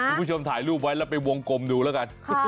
คุณผู้ชมถ่ายรูปไว้แล้วไปวงกลมดูแล้วกัน